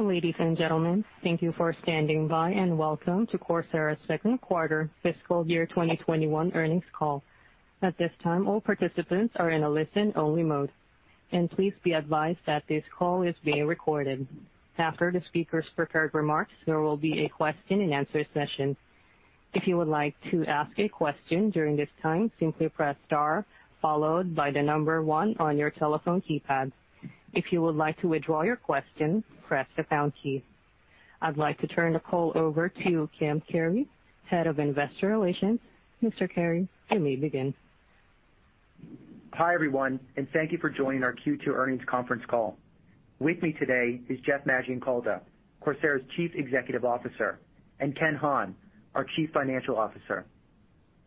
Ladies and gentlemen, thank you for standing by, welcome to Coursera's second quarter fiscal year 2021 earnings call. At this time, all participants are in a listen-only mode. Please be advised that this call is being recorded. After the speakers' prepared remarks, there will be a question and answer session. I'd like to turn the call over to Cam Carey, Head of Investor Relations. Mr. Carey, you may begin. Hi, everyone, and thank you for joining our Q2 earnings conference call. With me today is Jeff Maggioncalda, Coursera's Chief Executive Officer, and Ken Hahn, our Chief Financial Officer.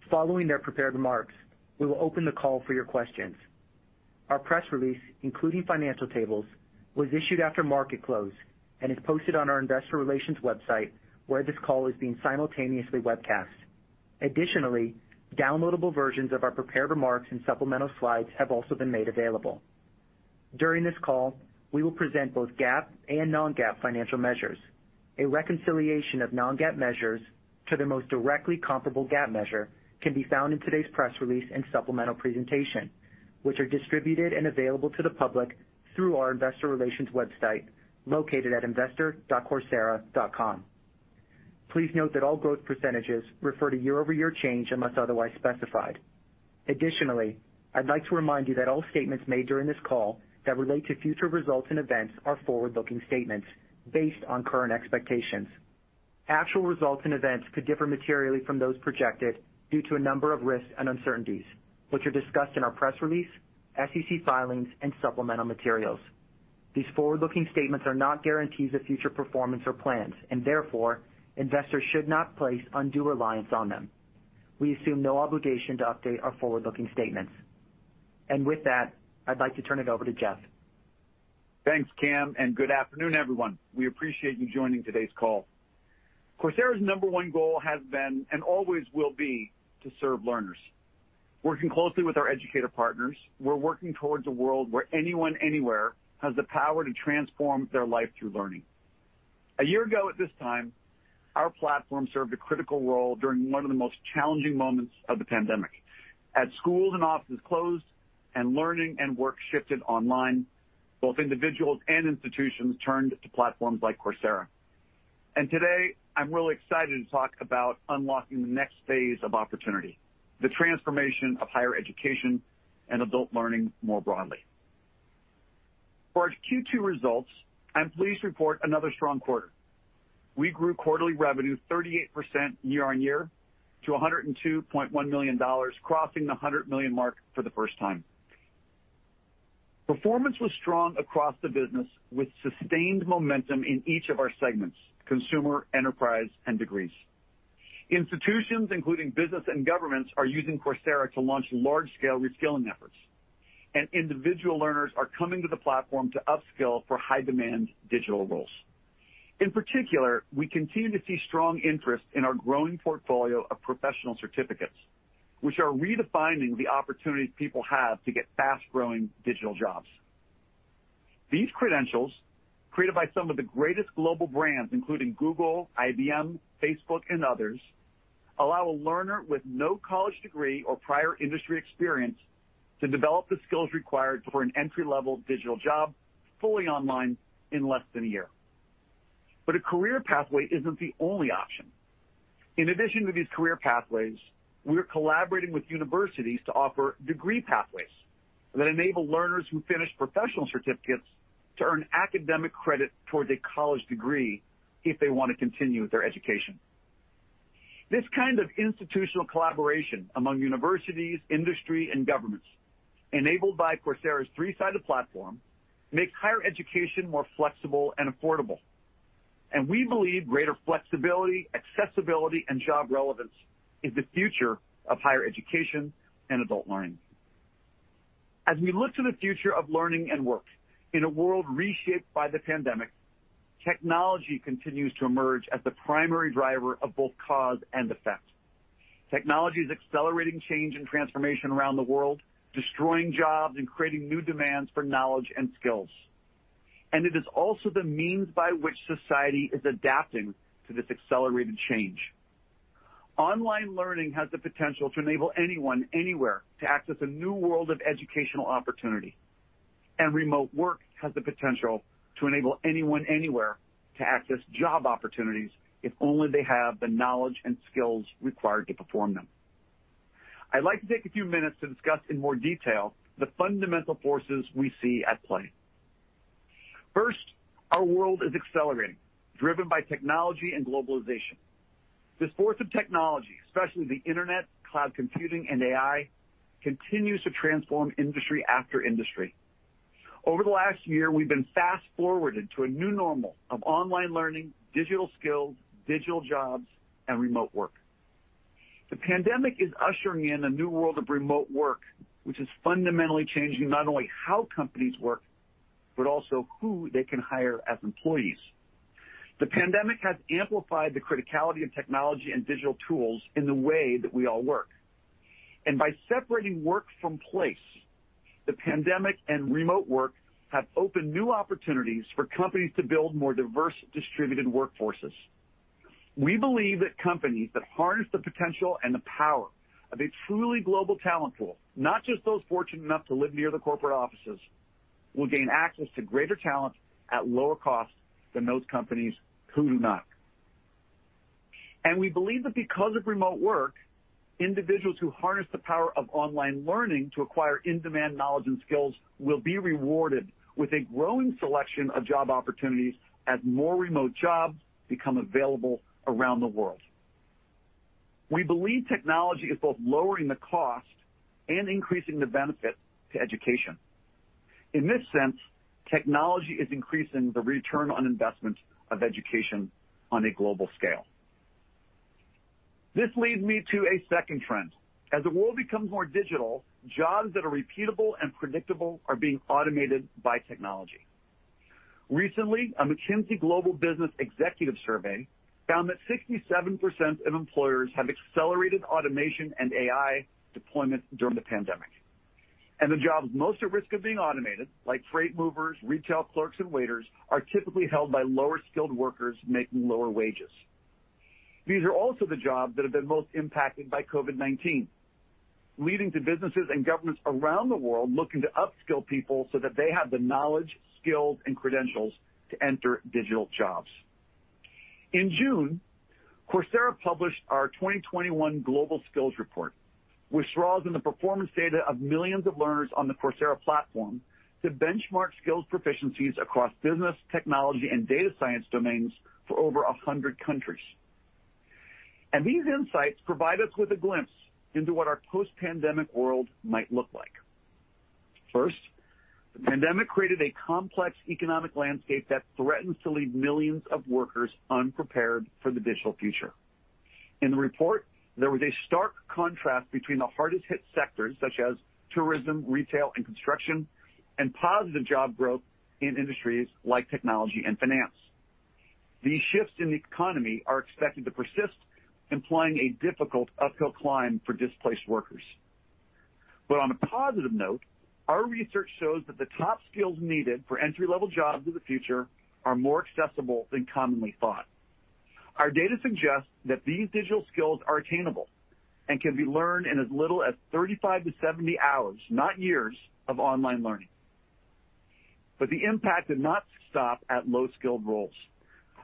Following their prepared remarks, we will open the call for your questions. Our press release, including financial tables, was issued after market close and is posted on our investor relations website, where this call is being simultaneously webcast. Additionally, downloadable versions of our prepared remarks and supplemental slides have also been made available. During this call, we will present both GAAP and non-GAAP financial measures. A reconciliation of non-GAAP measures to their most directly comparable GAAP measure can be found in today's press release and supplemental presentation, which are distributed and available to the public through our investor relations website located at investor.coursera.com. Please note that all growth percentages refer to year-over-year change unless otherwise specified. Additionally, I'd like to remind you that all statements made during this call that relate to future results and events are forward-looking statements based on current expectations. Actual results and events could differ materially from those projected due to a number of risks and uncertainties, which are discussed in our press release, SEC filings, and supplemental materials. These forward-looking statements are not guarantees of future performance or plans. Therefore, investors should not place undue reliance on them. We assume no obligation to update our forward-looking statements. With that, I'd like to turn it over to Jeff. Thanks, Cam, and good afternoon, everyone. We appreciate you joining today's call. Coursera's number one goal has been and always will be to serve learners. Working closely with our educator partners, we're working towards a world where anyone, anywhere, has the power to transform their life through learning. A year ago at this time, our platform served a critical role during one of the most challenging moments of the pandemic. As schools and offices closed and learning and work shifted online, both individuals and institutions turned to platforms like Coursera. Today, I'm really excited to talk about unlocking the next phase of opportunity, the transformation of higher education and adult learning more broadly. For our Q2 results, I'm pleased to report another strong quarter. We grew quarterly revenue 38% year-on-year to $102.1 million, crossing the $100 million mark for the first time. Performance was strong across the business, with sustained momentum in each of our segments, Consumer, Enterprise, and Degrees. Institutions, including business and governments, are using Coursera to launch large-scale reskilling efforts. Individual learners are coming to the platform to upskill for high-demand digital roles. In particular, we continue to see strong interest in our growing portfolio of professional certificates, which are redefining the opportunities people have to get fast-growing digital jobs. These credentials, created by some of the greatest global brands, including Google, IBM, Facebook, and others, allow a learner with no college degree or prior industry experience to develop the skills required for an entry-level digital job fully online in less than a year. A career pathway isn't the only option. In addition to these career pathways, we're collaborating with universities to offer degree pathways that enable learners who finish professional certificates to earn academic credit towards a college degree if they want to continue with their education. This kind of institutional collaboration among universities, industry, and governments, enabled by Coursera's three-sided platform, makes higher education more flexible and affordable. We believe greater flexibility, accessibility, and job relevance is the future of higher education and adult learning. As we look to the future of learning and work in a world reshaped by the pandemic, technology continues to emerge as the primary driver of both cause and effect. Technology is accelerating change and transformation around the world, destroying jobs and creating new demands for knowledge and skills. It is also the means by which society is adapting to this accelerated change. Online learning has the potential to enable anyone, anywhere, to access a new world of educational opportunity. Remote work has the potential to enable anyone, anywhere, to access job opportunities if only they have the knowledge and skills required to perform them. I'd like to take a few minutes to discuss in more detail the fundamental forces we see at play. First, our world is accelerating, driven by technology and globalization. This force of technology, especially the internet, cloud computing, and AI, continues to transform industry after industry. Over the last year, we've been fast-forwarded to a new normal of online learning, digital skills, digital jobs, and remote work. The pandemic is ushering in a new world of remote work, which is fundamentally changing not only how companies work but also who they can hire as employees. The pandemic has amplified the criticality of technology and digital tools in the way that we all work. By separating work from place, the pandemic and remote work have opened new opportunities for companies to build more diverse distributed workforces. We believe that companies that harness the potential and the power of a truly global talent pool, not just those fortunate enough to live near the corporate offices, will gain access to greater talent at lower costs than those companies who do not. We believe that because of remote work, individuals who harness the power of online learning to acquire in-demand knowledge and skills will be rewarded with a growing selection of job opportunities as more remote jobs become available around the world. We believe technology is both lowering the cost and increasing the benefit to education. In this sense, technology is increasing the return on investment of education on a global scale. This leads me to a second trend. As the world becomes more digital, jobs that are repeatable and predictable are being automated by technology. Recently, a McKinsey Global Business Executive Survey found that 67% of employers have accelerated automation and AI deployment during the pandemic. The jobs most at risk of being automated, like freight movers, retail clerks, and waiters, are typically held by lower-skilled workers making lower wages. These are also the jobs that have been most impacted by COVID-19, leading to businesses and governments around the world looking to upskill people so that they have the knowledge, skills, and credentials to enter digital jobs. In June, Coursera published our 2021 Global Skills Report, which draws on the performance data of millions of learners on the Coursera platform to benchmark skills proficiencies across business, technology, and data science domains for over 100 countries. These insights provide us with a glimpse into what our post-pandemic world might look like. First, the pandemic created a complex economic landscape that threatens to leave millions of workers unprepared for the digital future. In the report, there was a stark contrast between the hardest-hit sectors such as tourism, retail, and construction, and positive job growth in industries like technology and finance. These shifts in the economy are expected to persist, implying a difficult uphill climb for displaced workers. On a positive note, our research shows that the top skills needed for entry-level jobs of the future are more accessible than commonly thought. Our data suggests that these digital skills are attainable and can be learned in as little as 35-70 hours, not years, of online learning. The impact did not stop at low-skilled roles.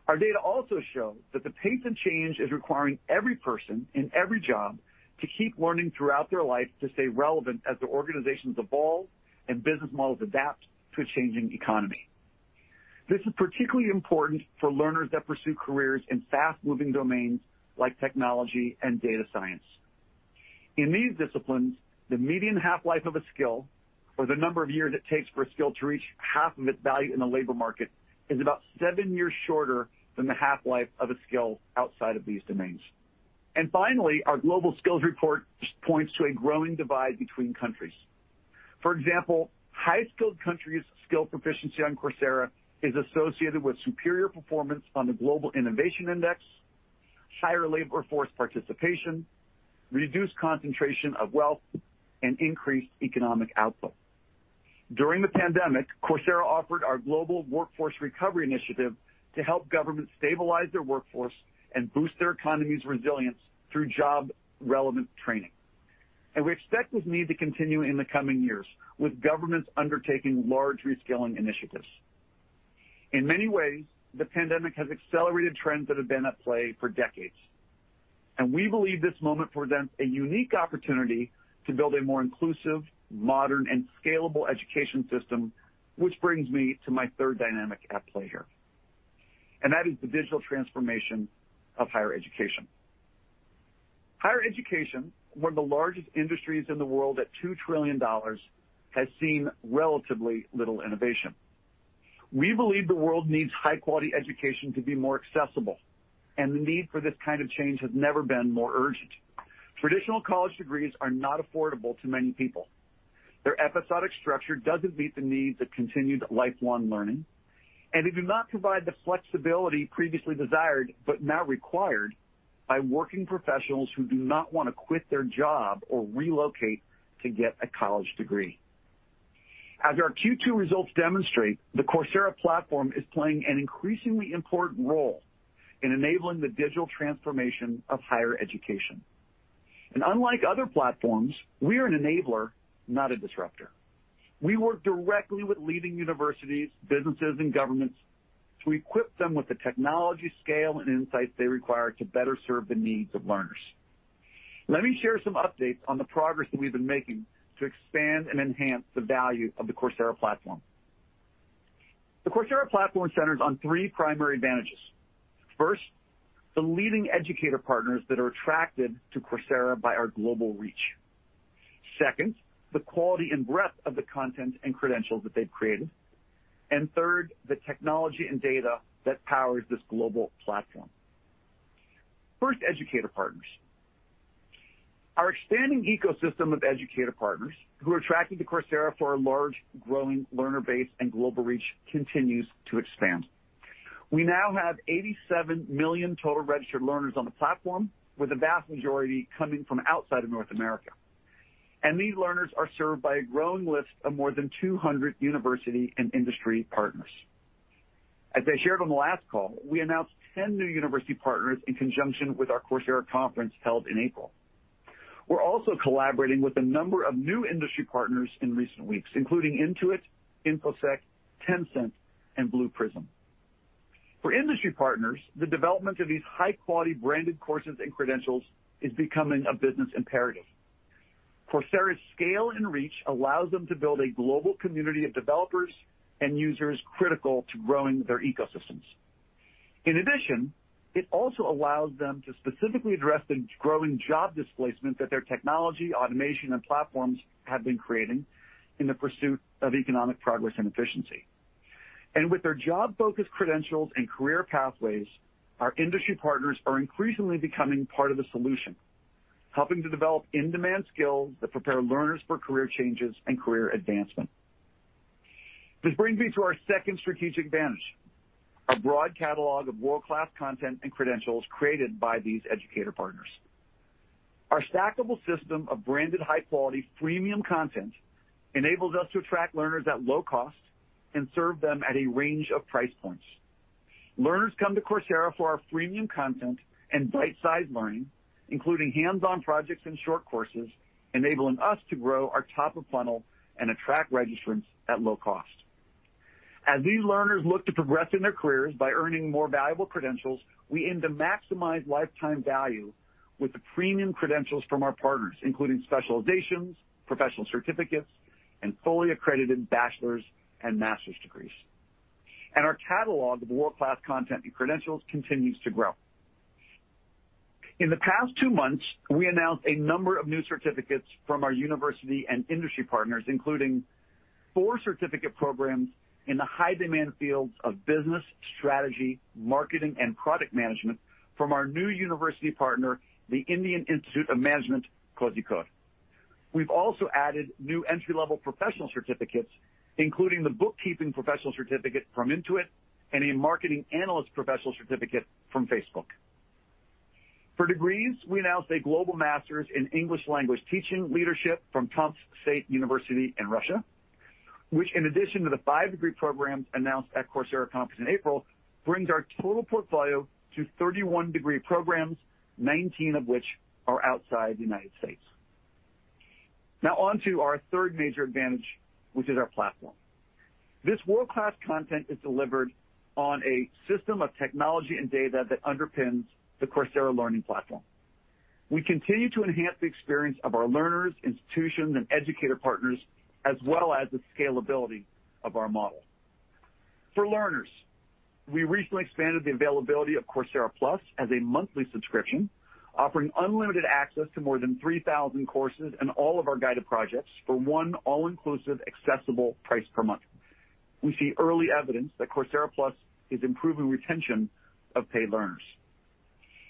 Our data also show that the pace of change is requiring every person in every job to keep learning throughout their life to stay relevant as their organizations evolve and business models adapt to a changing economy. This is particularly important for learners that pursue careers in fast-moving domains like technology and data science. In these disciplines, the median half-life of a skill, or the number of years it takes for a skill to reach half of its value in the labor market, is about seven years shorter than the half-life of a skill outside of these domains. Finally, our Global Skills Report points to a growing divide between countries. For example, high-skilled countries' skill proficiency on Coursera is associated with superior performance on the Global Innovation Index, higher labor force participation, reduced concentration of wealth, and increased economic output. During the pandemic, Coursera offered our Coursera Workforce Recovery Initiative to help governments stabilize their workforce and boost their economy's resilience through job-relevant training. We expect this need to continue in the coming years with governments undertaking large reskilling initiatives. In many ways, the pandemic has accelerated trends that have been at play for decades. We believe this moment presents a unique opportunity to build a more inclusive, modern, and scalable education system, which brings me to my third dynamic at play here. That is the digital transformation of higher education. Higher education, one of the largest industries in the world at $2 trillion, has seen relatively little innovation. We believe the world needs high-quality education to be more accessible, and the need for this kind of change has never been more urgent. Traditional college degrees are not affordable to many people. Their episodic structure doesn't meet the needs of continued lifelong learning, and they do not provide the flexibility previously desired, but now required by working professionals who do not want to quit their job or relocate to get a college degree. As our Q2 results demonstrate, the Coursera platform is playing an increasingly important role in enabling the digital transformation of higher education. Unlike other platforms, we are an enabler, not a disruptor. We work directly with leading universities, businesses, and governments to equip them with the technology, scale, and insights they require to better serve the needs of learners. Let me share some updates on the progress that we've been making to expand and enhance the value of the Coursera platform. The Coursera platform centers on three primary advantages. First, the leading educator partners that are attracted to Coursera by our global reach. Second, the quality and breadth of the content and credentials that they've created. Third, the technology and data that powers this global platform. First, educator partners. Our expanding ecosystem of educator partners who are attracting to Coursera for our large growing learner base and global reach continues to expand. We now have 87 million total registered learners on the platform, with the vast majority coming from outside of North America. These learners are served by a growing list of more than 200 university and industry partners. As I shared on the last call, we announced 10 new university partners in conjunction with our Coursera Conference held in April. We are also collaborating with a number of new industry partners in recent weeks, including Intuit, Infosec, Tencent, and Blue Prism. For industry partners, the development of these high-quality branded courses and credentials is becoming a business imperative. Coursera's scale and reach allows them to build a global community of developers and users critical to growing their ecosystems. It also allows them to specifically address the growing job displacement that their technology, automation, and platforms have been creating in the pursuit of economic progress and efficiency. With their job-focused credentials and career pathways, our industry partners are increasingly becoming part of the solution, helping to develop in-demand skills that prepare learners for career changes and career advancement. This brings me to our second strategic advantage, our broad catalog of world-class content and credentials created by these educator partners. Our stackable system of branded high-quality freemium content enables us to attract learners at low cost and serve them at a range of price points. Learners come to Coursera for our freemium content and bite-size learning, including hands-on projects and short courses, enabling us to grow our top of funnel and attract registrants at low cost. As these learners look to progress in their careers by earning more valuable credentials, we aim to maximize lifetime value with the premium credentials from our partners, including specializations, professional certificates, and fully accredited bachelor's and master's degrees. Our catalog of world-class content and credentials continues to grow. In the past two months, we announced a number of new certificates from our university and industry partners, including four certificate programs in the high-demand fields of business, strategy, marketing, and product management from our new university partner, the Indian Institute of Management Kozhikode. We've also added new entry-level professional certificates, including the Bookkeeping Professional Certificate from Intuit and a Marketing Analyst Professional Certificate from Facebook. For degrees, we announced a Global Master's in English Language Teaching Leadership from Tomsk State University in Russia, which, in addition to the five-degree program announced at Coursera Conference in April, brings our total portfolio to 31 degree programs, 19 of which are outside the U.S. On to our third major advantage, which is our platform. This world-class content is delivered on a system of technology and data that underpins the Coursera learning platform. We continue to enhance the experience of our learners, institutions, and educator partners, as well as the scalability of our model. For learners, we recently expanded the availability of Coursera Plus as a monthly subscription, offering unlimited access to more than 3,000 courses and all of our guided projects for one all-inclusive, accessible price per month. We see early evidence that Coursera Plus is improving retention of paid learners.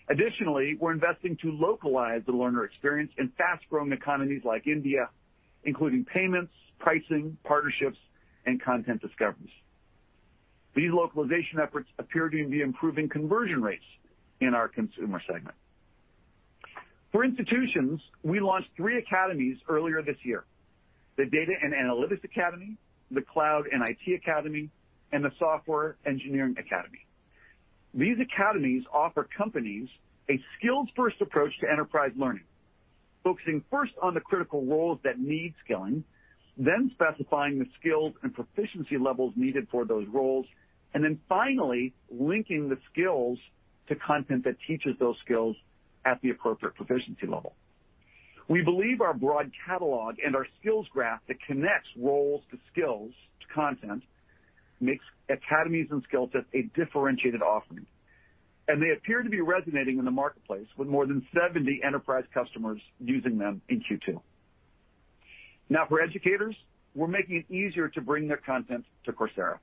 Additionally, we're investing to localize the learner experience in fast-growing economies like India, including payments, pricing, partnerships, and content discoveries. These localization efforts appear to be improving conversion rates in our Consumer segment. For institutions, we launched three academies earlier this year: the Data & Analytics Academy, the Cloud & IT Academy, and the Software Engineering Academy. These academies offer companies a skills-first approach to enterprise learning, focusing first on the critical roles that need skilling, then specifying the skills and proficiency levels needed for those roles, and then finally linking the skills to content that teaches those skills at the appropriate proficiency level. We believe our broad catalog and our skills graph that connects roles to skills to content makes academies and skill sets a differentiated offering, and they appear to be resonating in the marketplace with more than 70 enterprise customers using them in Q2. Now, for educators, we're making it easier to bring their content to Coursera.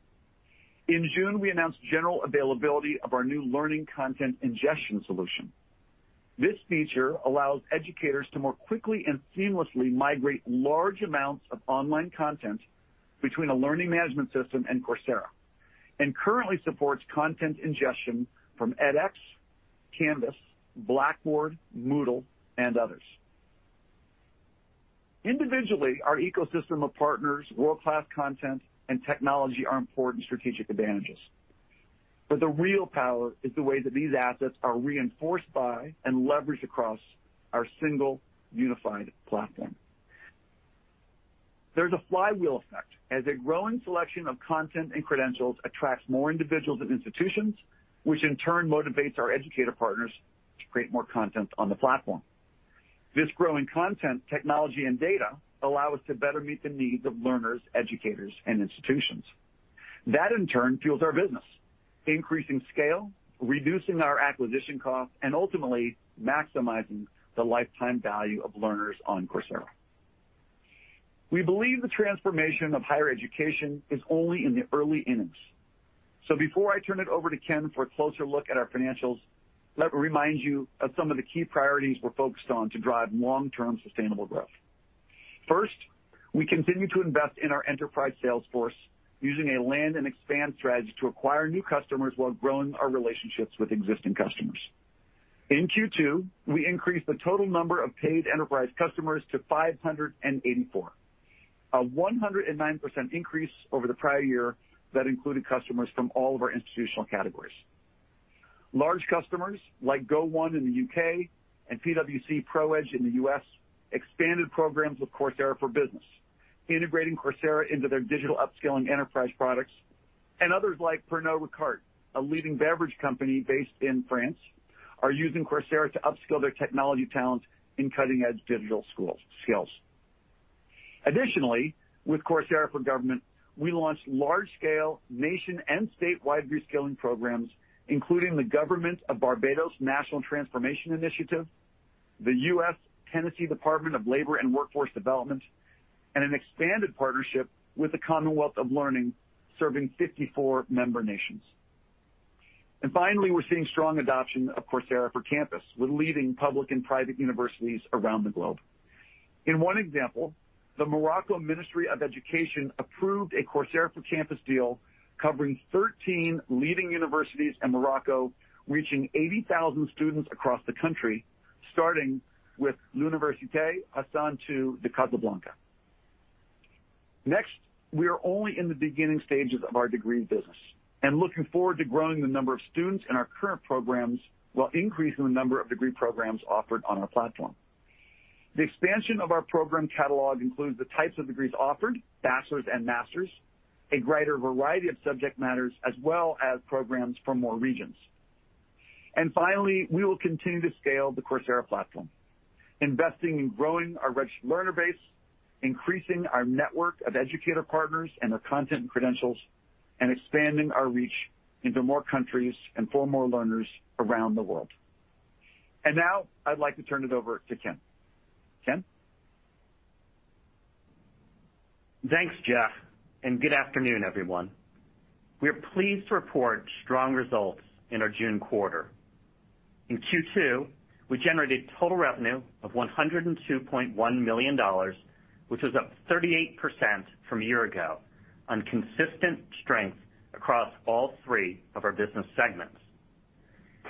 In June, we announced general availability of our new learning content ingestion solution. This feature allows educators to more quickly and seamlessly migrate large amounts of online content between a learning management system and Coursera and currently supports content ingestion from edX, Canvas, Blackboard, Moodle, and others. Individually, our ecosystem of partners, world-class content, and technology are important strategic advantages. The real power is the way that these assets are reinforced by and leveraged across our single unified platform. There's a flywheel effect as a growing selection of content and credentials attracts more individuals and institutions, which in turn motivates our educator partners to create more content on the platform. This growing content, technology, and data allow us to better meet the needs of learners, educators, and institutions. That, in turn, fuels our business, increasing scale, reducing our acquisition costs, and ultimately maximizing the lifetime value of learners on Coursera. We believe the transformation of higher education is only in the early innings. Before I turn it over to Ken for a closer look at our financials, let me remind you of some of the key priorities we're focused on to drive long-term sustainable growth. First, we continue to invest in our Enterprise sales force, using a land and expand strategy to acquire new customers while growing our relationships with existing customers. In Q2, we increased the total number of paid enterprise customers to 584. A 109% increase over the prior year that included customers from all of our institutional categories. Large customers, like Go1 in the U.K. and PwC ProEdge in the U.S., expanded programs with Coursera for Business, integrating Coursera into their digital upskilling enterprise products. Others like Pernod Ricard, a leading beverage company based in France, are using Coursera to upskill their technology talent in cutting-edge digital skills. Additionally, with Coursera for Government, we launched large-scale nation and statewide reskilling programs, including the government of Barbados National Transformation Initiative, the U.S. Tennessee Department of Labor and Workforce Development, and an expanded partnership with the Commonwealth of Learning, serving 54 member nations. Finally, we're seeing strong adoption of Coursera for Campus with leading public and private universities around the globe. In one example, the Morocco Ministry of Education approved a Coursera for Campus deal covering 13 leading universities in Morocco, reaching 80,000 students across the country, starting with Université Hassan II de Casablanca. Next, we are only in the beginning stages of our degree business and looking forward to growing the number of students in our current programs while increasing the number of degree programs offered on our platform. The expansion of our program catalog includes the types of degrees offered, bachelor's and master's, a greater variety of subject matters, as well as programs for more regions. Finally, we will continue to scale the Coursera platform, investing in growing our registered learner base, increasing our network of educator partners and their content and credentials, and expanding our reach into more countries and for more learners around the world. Now I'd like to turn it over to Ken. Ken? Thanks, Jeff. Good afternoon, everyone. We are pleased to report strong results in our June quarter. In Q2, we generated total revenue of $102.1 million, which was up 38% from a year ago, on consistent strength across all three of our business segments.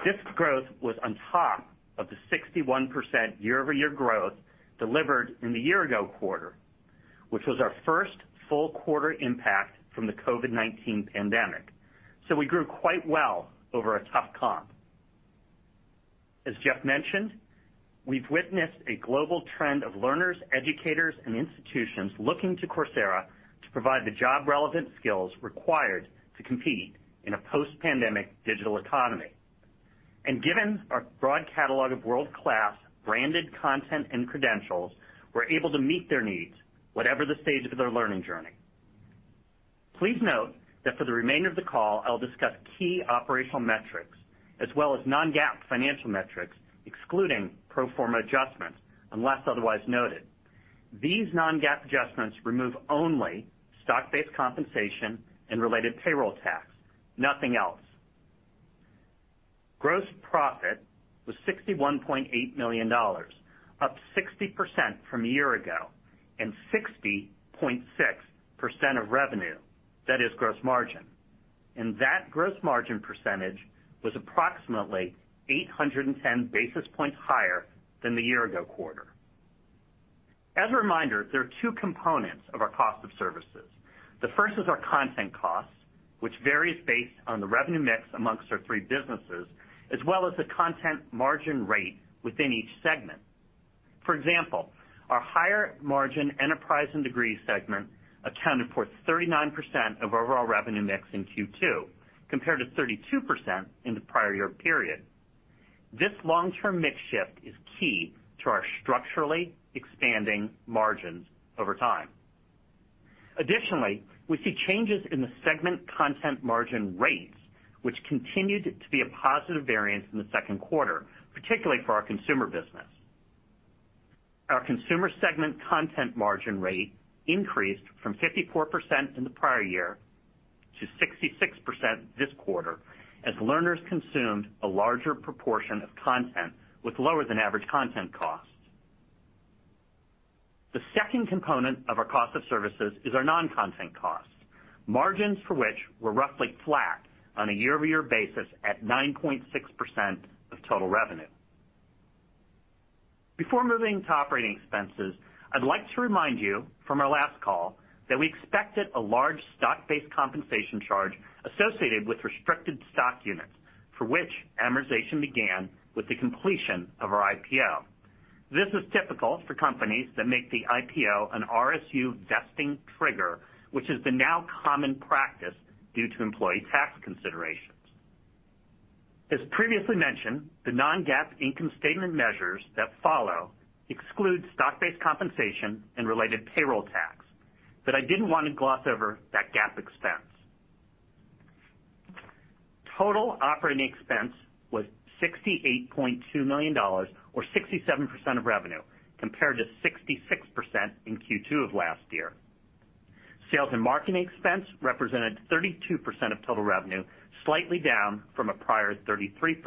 This growth was on top of the 61% year-over-year growth delivered in the year ago quarter, which was our first full quarter impact from the COVID-19 pandemic. We grew quite well over a tough comp. As Jeff mentioned, we've witnessed a global trend of learners, educators, and institutions looking to Coursera to provide the job-relevant skills required to compete in a post-pandemic digital economy. Given our broad catalog of world-class branded content and credentials, we're able to meet their needs, whatever the stage of their learning journey. Please note that for the remainder of the call, I'll discuss key operational metrics as well as non-GAAP financial metrics, excluding pro forma adjustments, unless otherwise noted. These non-GAAP adjustments remove only stock-based compensation and related payroll tax, nothing else. Gross profit was $61.8 million, up 60% from a year ago and 60.6% of revenue, that is gross margin. That gross margin percentage was approximately 810 basis points higher than the year ago quarter. As a reminder, there are two components of our cost of services. The first is our content costs, which varies based on the revenue mix amongst our three businesses, as well as the content margin rate within each segment. For example, our higher margin Enterprise and Degrees segment accounted for 39% of overall revenue mix in Q2, compared to 32% in the prior year period. This long-term mix shift is key to our structurally expanding margins over time. Additionally, we see changes in the segment content margin rates, which continued to be a positive variance in the second quarter, particularly for our consumer business. Our Consumer segment content margin rate increased from 54% in the prior year to 66% this quarter as learners consumed a larger proportion of content with lower than average content costs. The second component of our cost of services is our non-content costs, margins for which were roughly flat on a year-over-year basis at 9.6% of total revenue. Before moving to operating expenses, I'd like to remind you from our last call that we expected a large stock-based compensation charge associated with restricted stock units, for which amortization began with the completion of our IPO. This is typical for companies that make the IPO an RSU vesting trigger, which is the now common practice due to employee tax considerations. As previously mentioned, the non-GAAP income statement measures that follow exclude stock-based compensation and related payroll tax. I didn't want to gloss over that GAAP expense. Total operating expense was $68.2 million, or 67% of revenue, compared to 66% in Q2 of last year. Sales and marketing expense represented 32% of total revenue, slightly down from a prior 33%.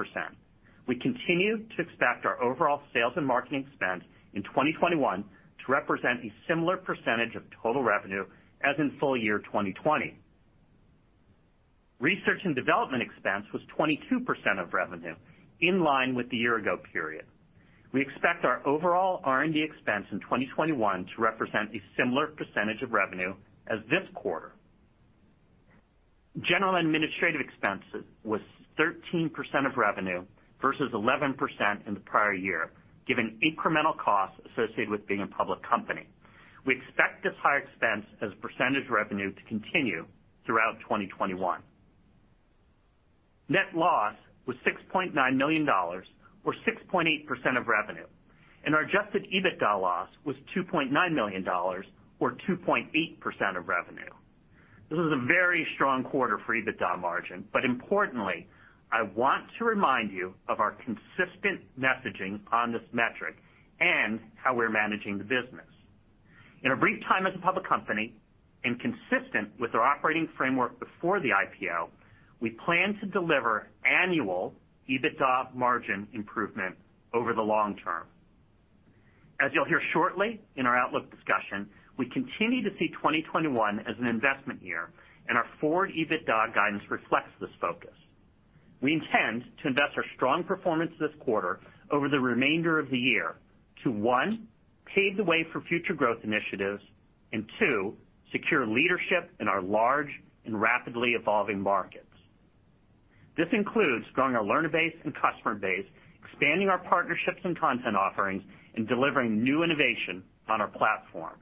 We continue to expect our overall sales and marketing expense in 2021 to represent a similar percentage of total revenue as in full year 2020. Research and development expense was 22% of revenue, in line with the year ago period. We expect our overall R&D expense in 2021 to represent a similar percentage of revenue as this quarter. General administrative expense was 13% of revenue versus 11% in the prior year, given incremental costs associated with being a public company. We expect this high expense as a percentage of revenue to continue throughout 2021. Net loss was $6.9 million, or 6.8% of revenue, and our adjusted EBITDA loss was $2.9 million, or 2.8% of revenue. This is a very strong quarter for EBITDA margin. Importantly, I want to remind you of our consistent messaging on this metric and how we're managing the business. In our brief time as a public company and consistent with our operating framework before the IPO, we plan to deliver annual EBITDA margin improvement over the long term. As you'll hear shortly in our outlook discussion, we continue to see 2021 as an investment year, and our forward EBITDA guidance reflects this focus. We intend to invest our strong performance this quarter over the remainder of the year to, one, pave the way for future growth initiatives, and two, secure leadership in our large and rapidly evolving markets. This includes growing our learner base and customer base, expanding our partnerships and content offerings, and delivering new innovation on our platform.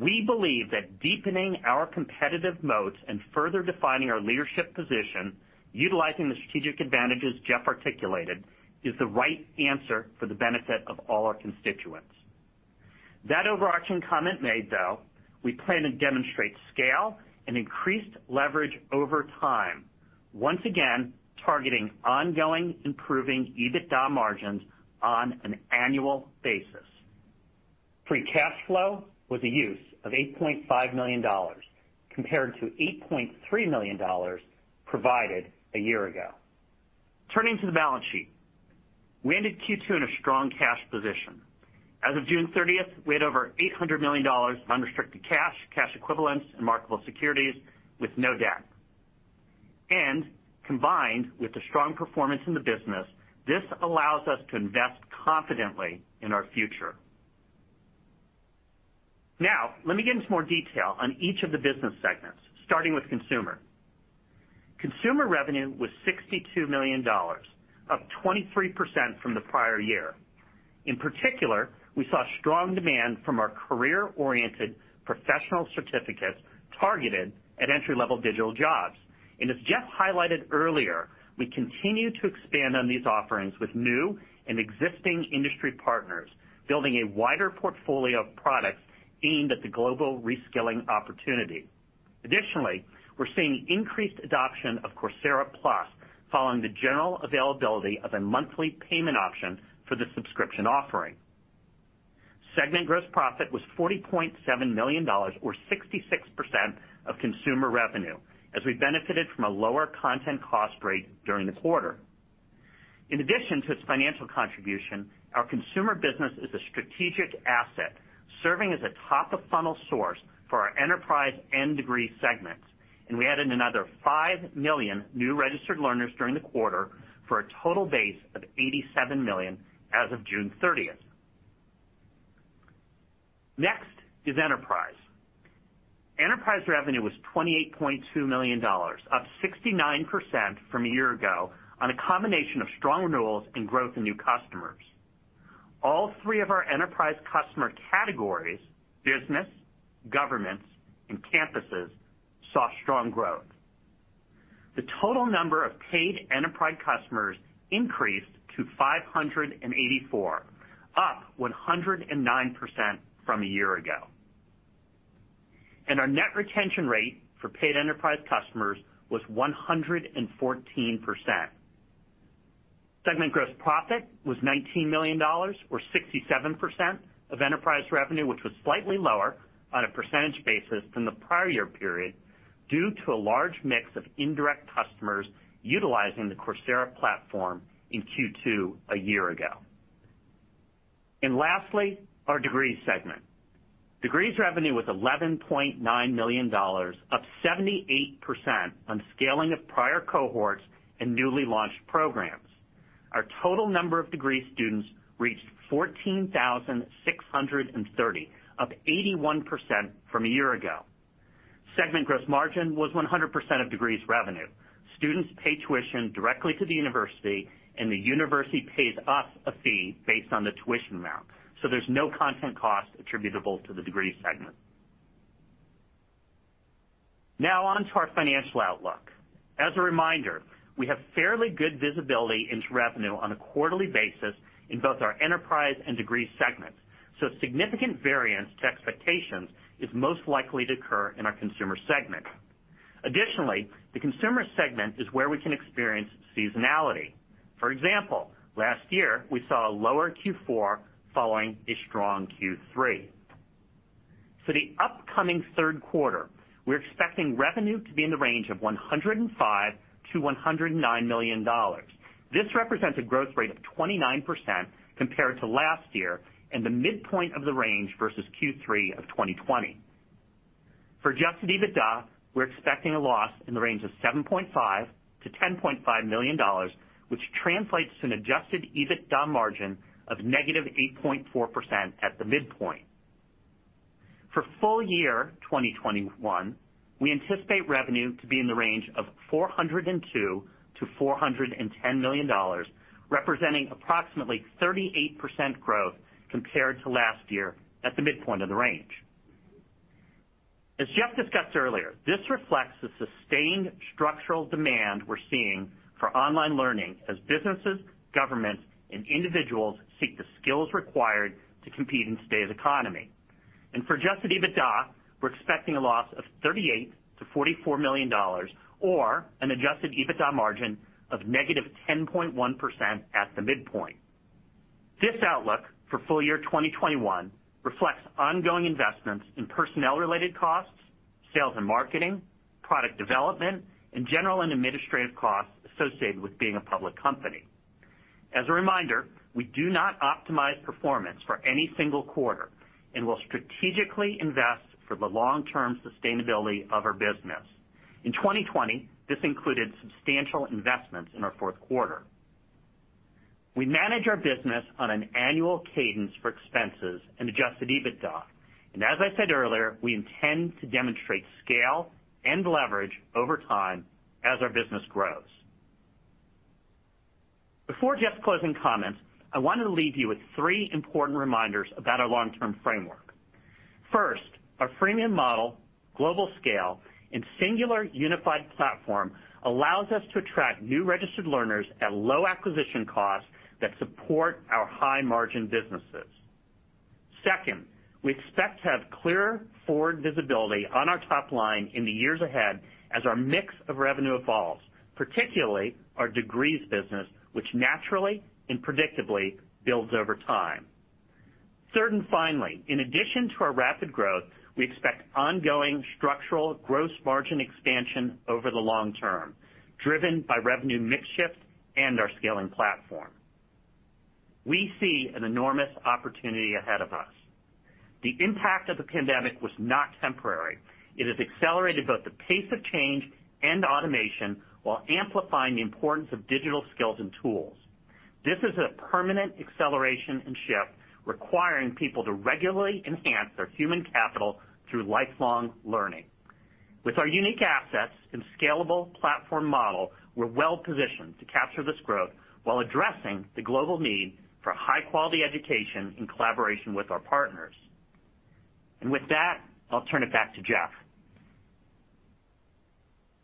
We believe that deepening our competitive moats and further defining our leadership position, utilizing the strategic advantages Jeff articulated, is the right answer for the benefit of all our constituents. That overarching comment made, though, we plan to demonstrate scale and increased leverage over time, once again, targeting ongoing improving EBITDA margins on an annual basis. Free cash flow was a use of $8.5 million compared to $8.3 million provided a year ago. Turning to the balance sheet. We ended Q2 in a strong cash position. As of June 30th, we had over $800 million in unrestricted cash equivalents, and marketable securities with no debt. Combined with the strong performance in the business, this allows us to invest confidently in our future. Now, let me get into more detail on each of the business segments, starting with Consumer. Consumer revenue was $62 million, up 23% from the prior year. In particular, we saw strong demand from our career-oriented professional certificates targeted at entry-level digital jobs. As Jeff highlighted earlier, we continue to expand on these offerings with new and existing industry partners, building a wider portfolio of products aimed at the global reskilling opportunity. Additionally, we're seeing increased adoption of Coursera Plus following the general availability of a monthly payment option for the subscription offering. Segment gross profit was $40.7 million, or 66% of consumer revenue, as we benefited from a lower content cost rate during the quarter. In addition to its financial contribution, our consumer business is a strategic asset, serving as a top-of-funnel source for our Enterprise and Degrees segments. We added another 5 million new registered learners during the quarter for a total base of 87 million as of June 30th. Next is Enterprise. Enterprise revenue was $28.2 million, up 69% from a year ago on a combination of strong renewals and growth in new customers. All three of our enterprise customer categories, business, governments, and campuses, saw strong growth. The total number of paid enterprise customers increased to 584, up 109% from a year ago. Our net retention rate for paid enterprise customers was 114%. Segment gross profit was $19 million, or 67% of Enterprise revenue, which was slightly lower on a percentage basis than the prior year period due to a large mix of indirect customers utilizing the Coursera platform in Q2 a year ago. Lastly, our Degrees segment. Degrees revenue was $11.9 million, up 78% on scaling of prior cohorts and newly launched programs. Our total number of degrees students reached 14,630, up 81% from a year ago. Segment gross margin was 100% of Degrees revenue. Students pay tuition directly to the university, and the university pays us a fee based on the tuition amount. There's no content cost attributable to the Degrees segment. Now on to our financial outlook. As a reminder, we have fairly good visibility into revenue on a quarterly basis in both our Enterprise and Degrees segments. Significant variance to expectations is most likely to occur in our Consumer segment. Additionally, the Consumer segment is where we can experience seasonality. For example, last year, we saw a lower Q4 following a strong Q3. For the upcoming third quarter, we're expecting revenue to be in the range of $105 million-$109 million. This represents a growth rate of 29% compared to last year and the midpoint of the range versus Q3 of 2020. For adjusted EBITDA, we're expecting a loss in the range of $7.5 million-$10.5 million, which translates to an adjusted EBITDA margin of negative 8.4% at the midpoint. For full year 2021, we anticipate revenue to be in the range of $402 million-$410 million, representing approximately 38% growth compared to last year at the midpoint of the range. As Jeff discussed earlier, this reflects the sustained structural demand we're seeing for online learning as businesses, governments, and individuals seek the skills required to compete in today's economy. For adjusted EBITDA, we're expecting a loss of $38 million-$44 million, or an adjusted EBITDA margin of -10.1% at the midpoint. This outlook for full year 2021 reflects ongoing investments in personnel-related costs, sales and marketing, product development, and general and administrative costs associated with being a public company. As a reminder, we do not optimize performance for any single quarter and will strategically invest for the long-term sustainability of our business. In 2020, this included substantial investments in our fourth quarter. We manage our business on an annual cadence for expenses and adjusted EBITDA. As I said earlier, we intend to demonstrate scale and leverage over time as our business grows. Before Jeff's closing comments, I want to leave you with three important reminders about our long-term framework. First, our freemium model, global scale, and singular unified platform allows us to attract new registered learners at low acquisition costs that support our high-margin businesses. Second, we expect to have clearer forward visibility on our top line in the years ahead as our mix of revenue evolves. Particularly, our Degrees business, which naturally and predictably builds over time. Third, finally, in addition to our rapid growth, we expect ongoing structural gross margin expansion over the long term, driven by revenue mix shift and our scaling platform. We see an enormous opportunity ahead of us. The impact of the pandemic was not temporary. It has accelerated both the pace of change and automation while amplifying the importance of digital skills and tools. This is a permanent acceleration and shift requiring people to regularly enhance their human capital through lifelong learning. With our unique assets and scalable platform model, we're well-positioned to capture this growth while addressing the global need for high-quality education in collaboration with our partners. With that, I'll turn it back to Jeff.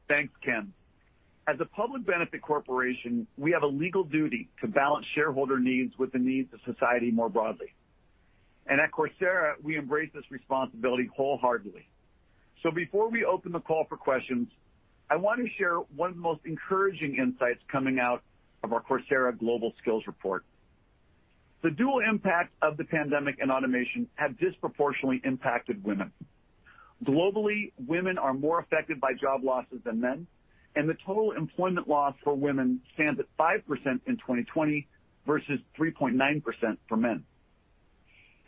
Thanks, Ken. As a public benefit corporation, we have a legal duty to balance shareholder needs with the needs of society more broadly. At Coursera, we embrace this responsibility wholeheartedly. Before we open the call for questions, I want to share one of the most encouraging insights coming out of our Coursera Global Skills Report. The dual impact of the pandemic and automation have disproportionately impacted women. Globally, women are more affected by job losses than men, and the total employment loss for women stands at 5% in 2020 versus 3.9% for men.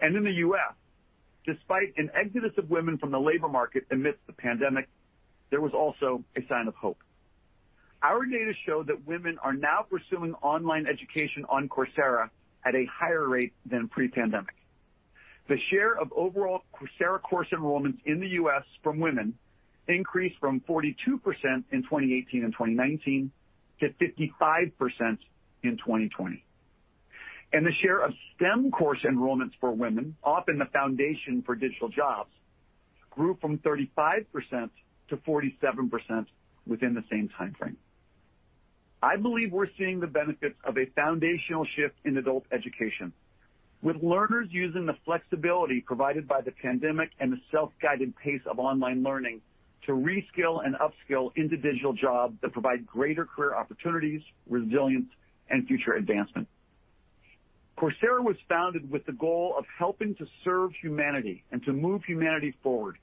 In the U.S., despite an exodus of women from the labor market amidst the pandemic, there was also a sign of hope. Our data show that women are now pursuing online education on Coursera at a higher rate than pre-pandemic. The share of overall Coursera course enrollments in the U.S. from women increased from 42% in 2018 and 2019 to 55% in 2020. The share of STEM course enrollments for women, often the foundation for digital jobs, grew from 35% to 47% within the same timeframe. I believe we're seeing the benefits of a foundational shift in adult education, with learners using the flexibility provided by the pandemic and the self-guided pace of online learning to reskill and upskill individual jobs that provide greater career opportunities, resilience, and future advancement. Coursera was founded with the goal of helping to serve humanity and to move humanity forward.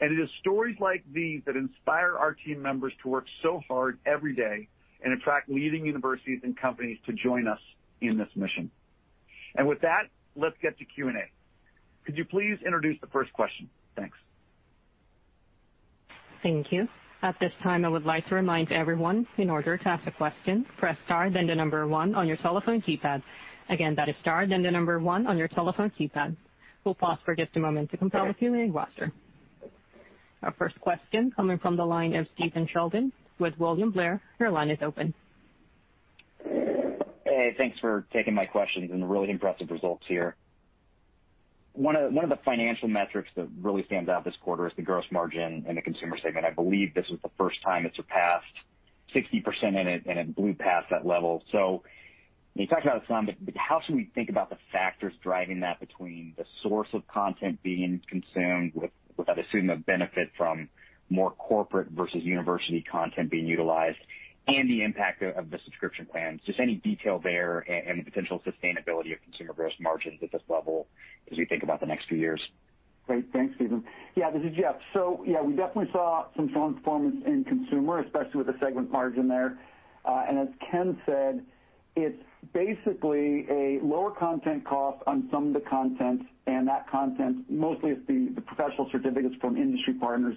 It is stories like these that inspire our team members to work so hard every day and attract leading universities and companies to join us in this mission. With that, let's get to Q&A. Could you please introduce the first question? Thanks. Thank you. At this time, I would like to remind everyone, in order to ask a question, press star then the one on your telephone keypad. Again, that is star then the one on your telephone keypad. We'll pause for just a moment to compile a few in queue. Our first question coming from the line of Stephen Sheldon with William Blair. Your line is open. Thanks for taking my questions and the really impressive results here. One of the financial metrics that really stands out this quarter is the gross margin in the Consumer segment. I believe this was the first time it surpassed. 60% in it, and it blew past that level. When you talk about how should we think about the factors driving that between the source of content being consumed with, I'd assume, a benefit from more corporate versus university content being utilized, and the impact of the subscription plans? Just any detail there and the potential sustainability of Consumer gross margins at this level as we think about the next few years. Great. Thanks, Stephen. This is Jeff. We definitely saw some strong performance in Consumer, especially with the segment margin there. As Ken said, it's basically a lower content cost on some of the content, and that content, mostly it's the Professional Certificates from industry partners,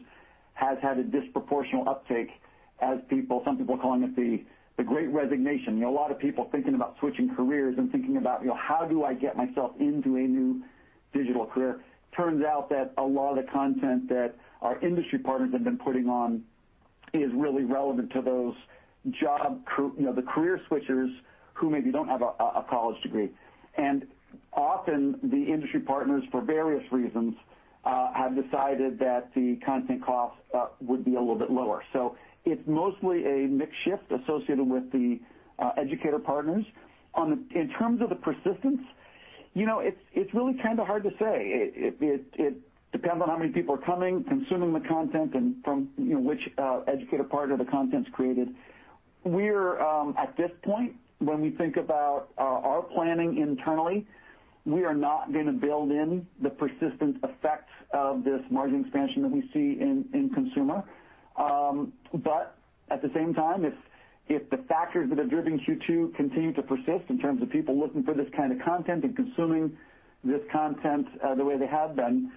has had a disproportional uptake as some people are calling it the great resignation. A lot of people thinking about switching careers and thinking about, how do I get myself into a new digital career? Turns out that a lot of the content that our industry partners have been putting on is really relevant to those career switchers who maybe don't have a college degree. Often the industry partners, for various reasons, have decided that the content cost would be a little bit lower. It's mostly a mix shift associated with the educator partners. In terms of the persistence, it's really hard to say. It depends on how many people are coming, consuming the content, and from which educator partner the content's created. We're, at this point, when we think about our planning internally, we are not going to build in the persistent effects of this margin expansion that we see in Consumer. At the same time, if the factors that have driven Q2 continue to persist in terms of people looking for this kind of content and consuming this content the way they have been,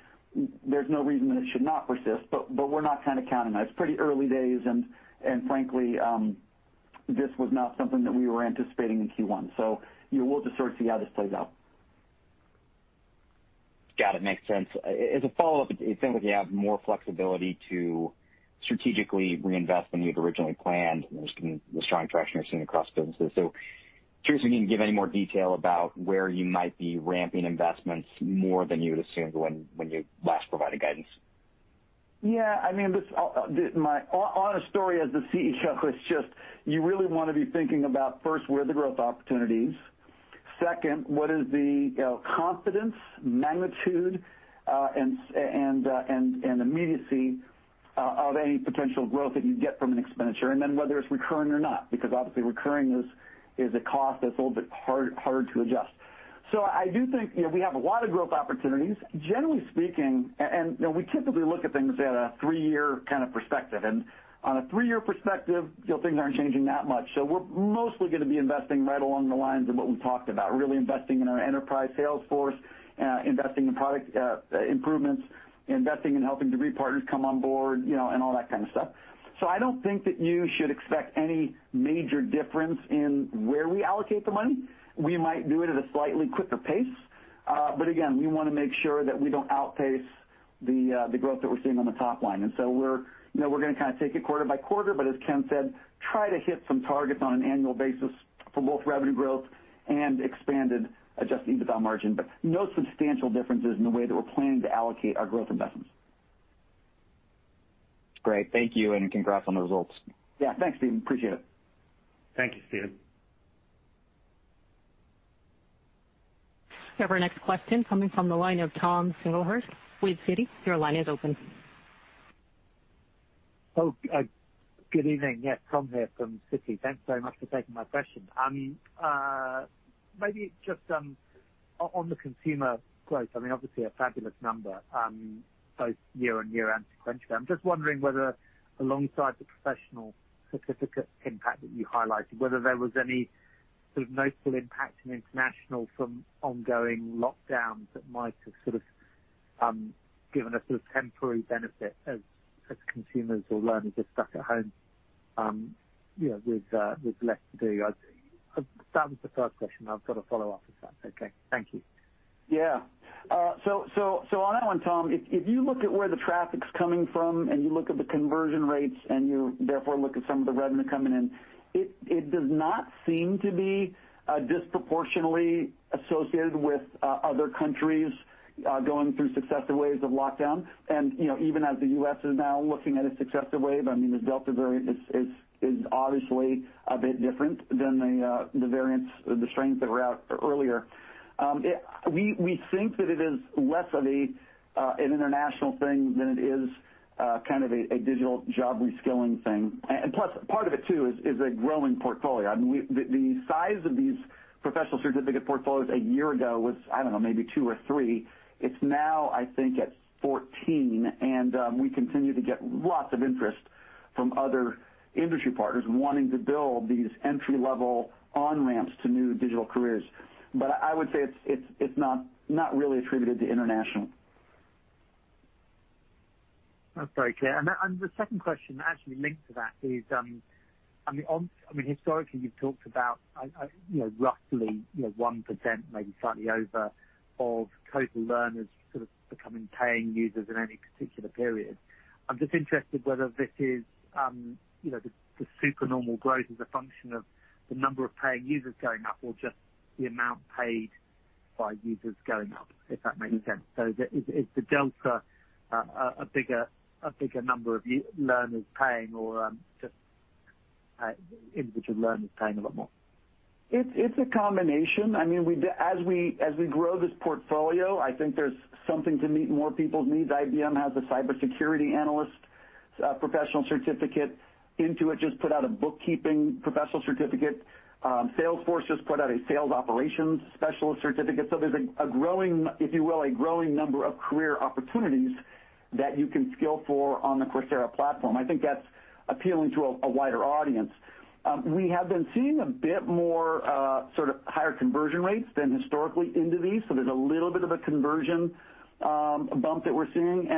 there's no reason that it should not persist, but we're not counting on it. It's pretty early days and frankly, this was not something that we were anticipating in Q1. We'll just sort of see how this plays out. Got it. Makes sense. As a follow-up, it seems like you have more flexibility to strategically reinvest than you had originally planned, and there's been the strong traction you're seeing across businesses. Curious if you can give any more detail about where you might be ramping investments more than you had assumed when you last provided guidance? Yeah, my honest story as the CEO is just you really want to be thinking about first, where are the growth opportunities? Second, what is the confidence, magnitude, and immediacy of any potential growth that you get from an expenditure? Whether it's recurring or not, because obviously recurring is a cost that's a little bit hard to adjust. I do think we have a lot of growth opportunities. Generally speaking, and we typically look at things at a three-year perspective, and on a three-year perspective, things aren't changing that much. We're mostly going to be investing right along the lines of what we talked about, really investing in our Enterprise sales force, investing in product improvements, investing in helping degree partners come on board, and all that kind of stuff. I don't think that you should expect any major difference in where we allocate the money. We might do it at a slightly quicker pace. Again, we want to make sure that we don't outpace the growth that we're seeing on the top line. We're going to take it quarter by quarter, but as Ken said, try to hit some targets on an annual basis for both revenue growth and expanded adjusted EBITDA margin. No substantial differences in the way that we're planning to allocate our growth investments. Great. Thank you, and congrats on the results. Yeah. Thanks, Stephen. Appreciate it. Thank you, Stephen. We have our next question coming from Tom Singlehurst with Citi. Your line is open. Good evening. Tom here from Citi. Thanks very much for taking my question. Maybe just on the Consumer growth, I mean, obviously a fabulous number, both year-on-year and sequentially. I'm just wondering whether alongside the Professional Certificate impact that you highlighted, whether there was any sort of notable impact in international from ongoing lockdowns that might have sort of given a sort of temporary benefit as consumers or learners are stuck at home with less to do? That was the first question. I've got a follow-up to that. Okay. Thank you. On that one, Tom, if you look at where the traffic's coming from and you look at the conversion rates and you, therefore, look at some of the revenue coming in, it does not seem to be disproportionately associated with other countries going through successive waves of lockdown. Even as the U.S. is now looking at a successive wave, I mean, this Delta variant is obviously a bit different than the strains that were out earlier. We think that it is less of an international thing than it is a digital job reskilling thing. Plus, part of it too is a growing portfolio. I mean, the size of these Professional Certificate portfolios a year ago was, I don't know, maybe two or three. It's now, I think it's 14. We continue to get lots of interest from other industry partners wanting to build these entry-level on-ramps to new digital careers. I would say it's not really attributed to international. That's very clear. The second question actually linked to that is, I mean, historically you've talked about roughly 1%, maybe slightly over, of total learners sort of becoming paying users in any particular period. I'm just interested whether this is the supernormal growth as a function of the number of paying users going up or just the amount paid by users going up, if that makes sense. Is the delta a bigger number of learners paying or just individual learners paying a lot more? It's a combination. As we grow this portfolio, I think there's something to meet more people's needs. IBM has a Cybersecurity Analyst Professional Certificate. Intuit just put out a Bookkeeping Professional Certificate. Salesforce just put out a Sales Operations Specialist Certificate. There's a growing, if you will, a growing number of career opportunities that you can skill for on the Coursera platform. I think that's appealing to a wider audience. We have been seeing a bit more sort of higher conversion rates than historically into these. There's a little bit of a conversion bump that we're seeing.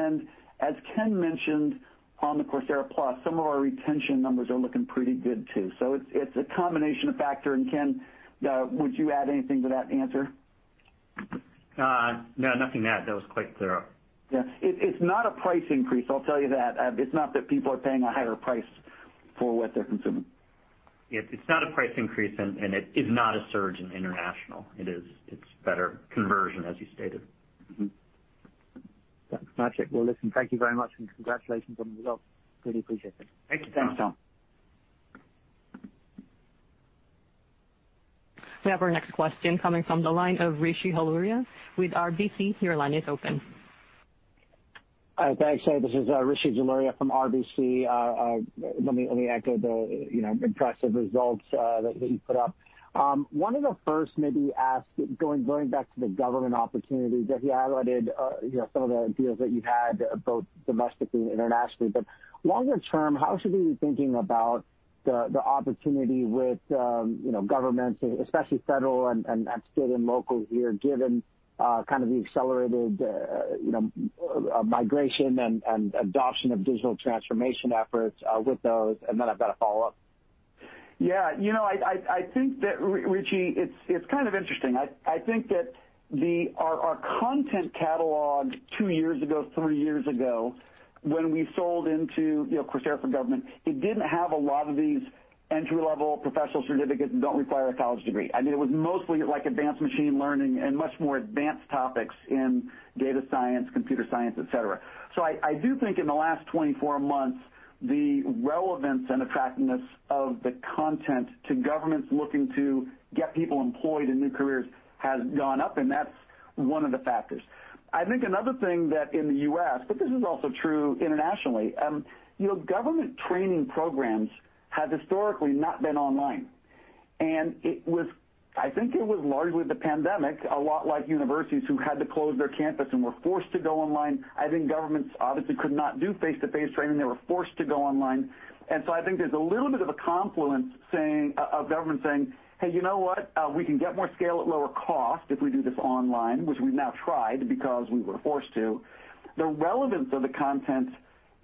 As Ken mentioned, on the Coursera Plus, some of our retention numbers are looking pretty good too. It's a combination of factors. Ken, would you add anything to that answer? No, nothing to add. That was quite clear. Yeah. It's not a price increase, I'll tell you that. It's not that people are paying a higher price for what they're consuming. It's not a price increase, and it is not a surge in international. It's better conversion, as you stated. That's magic. Well, listen, thank you very much, and congratulations on the results. Really appreciate it. Thank you. Thanks, Tom. We have our next question coming from the line of Rishi Jaluria with RBC. Your line is open. Thanks. This is Rishi Jaluria from RBC. Let me echo the impressive results that you put up. Wanted to first maybe ask, going back to the government opportunities that you highlighted some of the deals that you had, both domestically and internationally. Longer term, how should we be thinking about the opportunity with governments, especially federal and state and local here, given kind of the accelerated migration and adoption of digital transformation efforts with those? I've got a follow-up. I think that, Rishi, it's kind of interesting. I think that our content catalog two years ago, three years ago, when we sold into Coursera for Government, it didn't have a lot of these entry-level Professional Certificates that don't require a college degree. It was mostly advanced machine learning and much more advanced topics in data science, computer science, et cetera. I do think in the last 24 months, the relevance and attractiveness of the content to governments looking to get people employed in new careers has gone up, and that's one of the factors. I think another thing that in the U.S., but this is also true internationally, government training programs have historically not been online. I think it was largely the pandemic, a lot like universities who had to close their campus and were forced to go online. I think governments obviously could not do face-to-face training. They were forced to go online. I think there's a little bit of a confluence of government saying, "Hey, you know what? We can get more scale at lower cost if we do this online, which we've now tried because we were forced to." The relevance of the content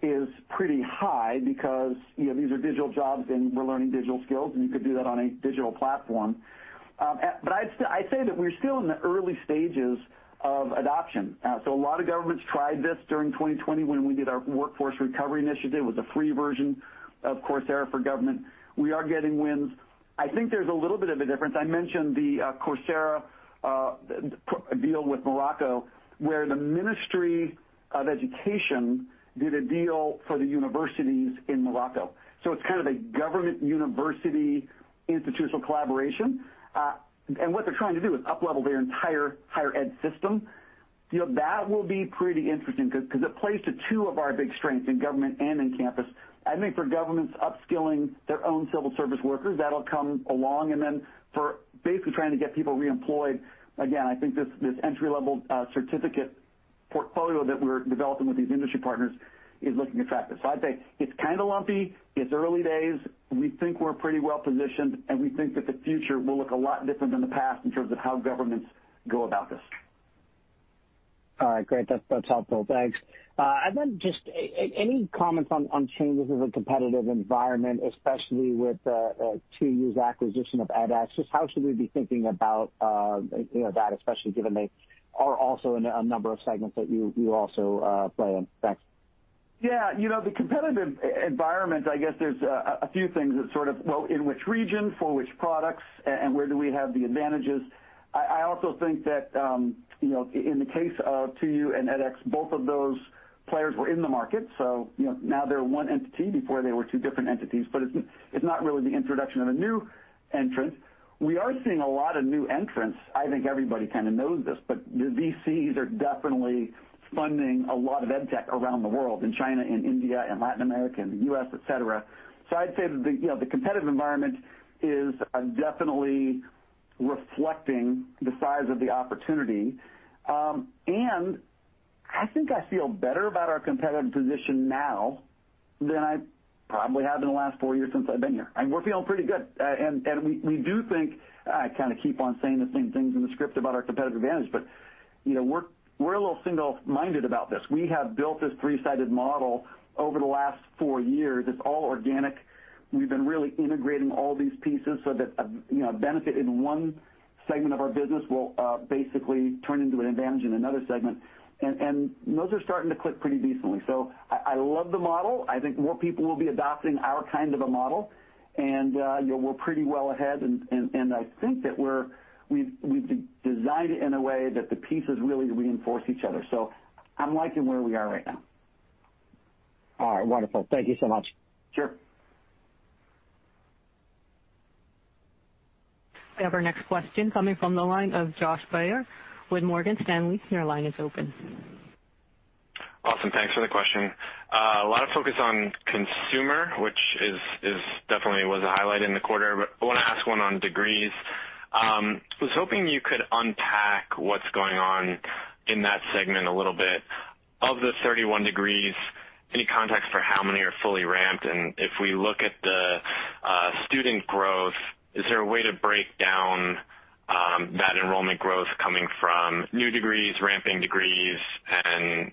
is pretty high because these are digital jobs, and we're learning digital skills, and you could do that on a digital platform. I'd say that we're still in the early stages of adoption. A lot of governments tried this during 2020 when we did our Workforce Recovery Initiative with a free version of Coursera for Government. We are getting wins. I think there's a little bit of a difference. I mentioned the Coursera deal with Morocco, where the Ministry of Education did a deal for the universities in Morocco. It's kind of a government-university institutional collaboration. What they're trying to do is uplevel their entire higher ed system. That will be pretty interesting because it plays to two of our big strengths in Government and in Campus. I think for governments upskilling their own civil service workers, that'll come along, and then for basically trying to get people reemployed, again, I think this entry-level certificate portfolio that we're developing with these industry partners is looking attractive. I'd say it's kind of lumpy. It's early days. We think we're pretty well-positioned, and we think that the future will look a lot different than the past in terms of how governments go about this. All right, great. That's helpful. Thanks. Then just any comments on changes in the competitive environment, especially with 2U's acquisition of edX? Just how should we be thinking about that, especially given they are also in a number of segments that you also play in? Thanks. Yeah. The competitive environment, I guess there's a few things that sort of, well, in which region, for which products, and where do we have the advantages. I also think that in the case of 2U and edX, both of those players were in the market, so now they're one entity. Before, they were two different entities. It's not really the introduction of a new entrant. We are seeing a lot of new entrants. I think everybody kind of knows this, the VCs are definitely funding a lot of ed tech around the world, in China, in India, in Latin America, in the U.S., et cetera. I'd say that the competitive environment is definitely reflecting the size of the opportunity. I think I feel better about our competitive position now than I probably have in the last four years since I've been here, and we're feeling pretty good. We do think, I kind of keep on saying the same things in the script about our competitive advantage, but we're a little single-minded about this. We have built this three-sided model over the last four years. It's all organic. We've been really integrating all these pieces so that a benefit in one segment of our business will basically turn into an advantage in another segment. Those are starting to click pretty decently. I love the model. I think more people will be adopting our kind of a model. We're pretty well ahead, and I think that we've designed it in a way that the pieces really reinforce each other. I'm liking where we are right now. All right, wonderful. Thank you so much. Sure. We have our next question coming from the line of Josh Baer with Morgan Stanley. Your line is open. Awesome. Thanks for the question. A lot of focus on Consumer, which definitely was a highlight in the quarter. I want to ask one on Degrees. I was hoping you could unpack what's going on in that segment a little bit. Of the 31 degrees, any context for how many are fully ramped? If we look at the student growth, is there a way to break down that enrollment growth coming from new degrees, ramping degrees,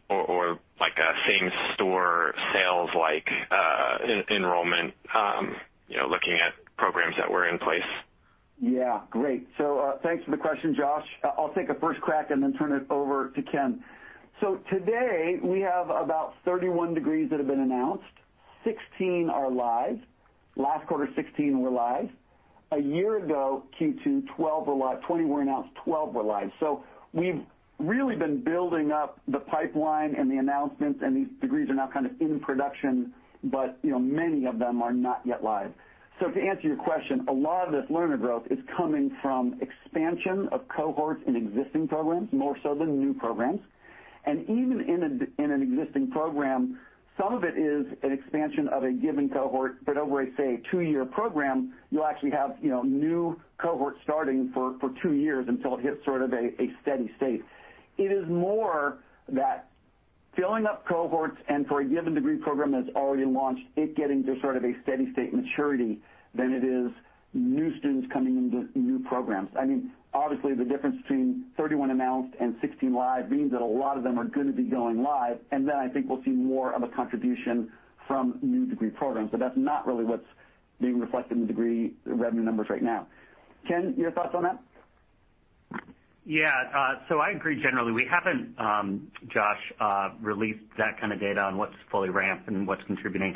or same store sales like enrollment looking at programs that were in place? Yeah. Great. Thanks for the question, Josh Baer. I'll take a first crack and then turn it over to Ken Hahn. Today, we have about 31 degrees that have been announced. 16 are live. Last quarter, 16 were live. A year ago, Q2, 20 were announced, 12 were live. We've really been building up the pipeline and the announcements, and these degrees are now kind of in production. Many of them are not yet live. To answer your question, a lot of this learner growth is coming from expansion of cohorts in existing programs, more so than new programs. Even in an existing program, some of it is an expansion of a given cohort, but over, say, a two-year program, you'll actually have new cohorts starting for two years until it hits sort of a steady state. It is more that filling up cohorts and for a given degree program that's already launched, it getting to sort of a steady state maturity than it is new students coming into new programs. Obviously, the difference between 31 announced and 16 live means that a lot of them are going to be going live, and then I think we'll see more of a contribution from new degree programs. That's not really what's being reflected in the degree revenue numbers right now. Ken, your thoughts on that? Yeah. I agree, generally. We haven't, Josh, released that kind of data on what's fully ramped and what's contributing.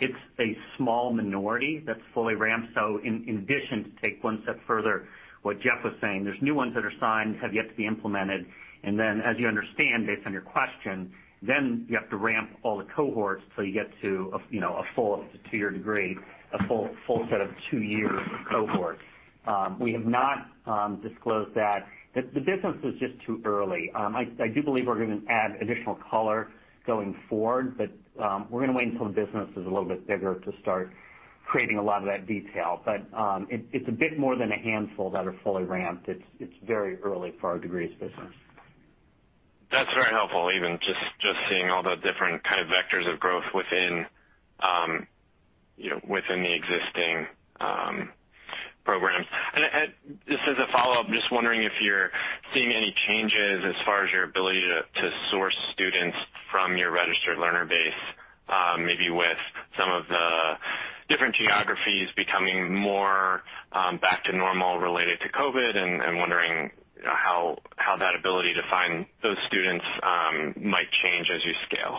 It's a small minority that's fully ramped. In addition, to take one step further what Jeff was saying, there's new ones that are signed, have yet to be implemented, and then as you understand, based on your question, then you have to ramp all the cohorts till you get to a full set of two-year cohorts. We have not disclosed that. The business is just too early. I do believe we're going to add additional color going forward, but we're going to wait until the business is a little bit bigger to start creating a lot of that detail. It's a bit more than a handful that are fully ramped. It's very early for our Degrees business. That's very helpful. Even just seeing all the different kind of vectors of growth within the existing programs. Just as a follow-up, just wondering if you're seeing any changes as far as your ability to source students from your registered learner base, maybe with some of the different geographies becoming more back to normal related to COVID, and wondering how that ability to find those students might change as you scale.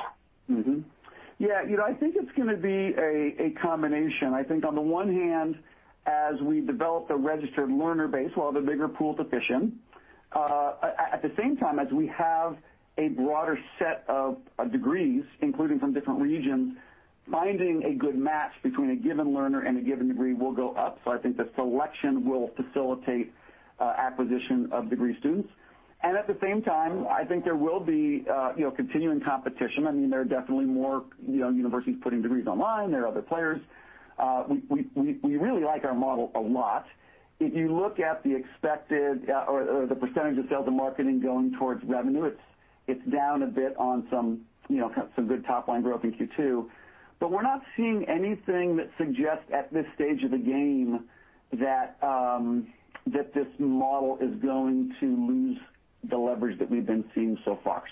Yeah. I think it's going to be a combination. I think on the one hand, as we develop the registered learner base, we'll have a bigger pool to fish in. At the same time, as we have a broader set of degrees, including from different regions, finding a good match between a given learner and a given degree will go up. I think that selection will facilitate acquisition of degree students. At the same time, I think there will be continuing competition. There are definitely more universities putting degrees online. There are other players. We really like our model a lot. If you look at the expected or the % of sales and marketing going towards revenue, it's down a bit on some good top-line growth in Q2. We're not seeing anything that suggests at this stage of the game that this model is going to lose the leverage that we've been seeing so far.